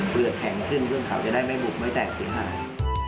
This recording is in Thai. เปลือกแข็งขึ้นเพื่อเขาจะได้ไม่บุกไม่แตกสิ่งหาก